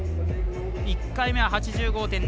１回目は、８５．００。